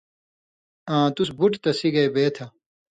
آں تُس بُٹ تسی گے بے تھہ۔